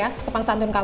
saya banyak bebas dulu ya